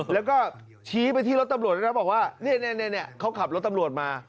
แล้วก็ชี้ไปที่รถตำรวจด้วยนะบอกว่าเขาขับรถตำรวจมา